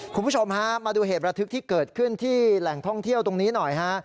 คุณผู้ชมฮะมาดูเหตุระทึกที่เกิดขึ้นที่แหล่งท่องเที่ยวตรงนี้หน่อยฮะ